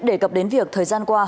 đề cập đến việc thời gian qua